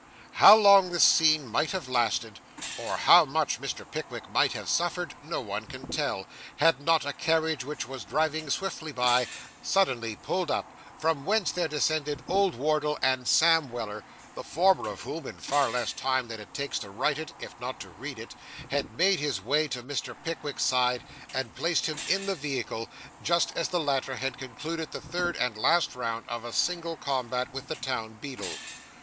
How long this scene might have lasted, or how much Mr. Pickwick might have suffered, no one can tell, had not a carriage, which was driving swiftly by, suddenly pulled up, from whence there descended old Wardle and Sam Weller, the former of whom, in far less time than it takes to write it, if not to read it, had made his way to Mr. Pickwick's side, and placed him in the vehicle, just as the latter had concluded the third and last round of a single combat with the town beadle.